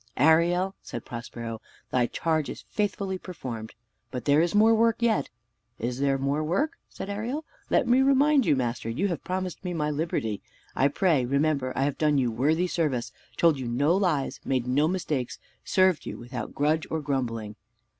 "Ariel," said Prospero, "thy charge is faithfully performed: but there is more work yet." "Is there more work?" said Ariel. "Let me remind you, master, you have promised me my liberty. I pray, remember, I have done you worthy service, told you no lies, made no mistakes, served you without grudge or grumbling."